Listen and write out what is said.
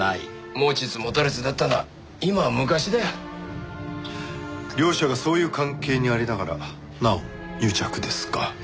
持ちつ持たれつだったのは今は昔だよ。両者がそういう関係にありながらなおも癒着ですか。